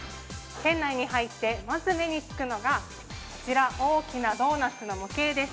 店内に入って、まず目につくのがこちら、大きなドーナツの模型です。